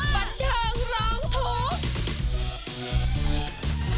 บันเทิงร้องทุกข์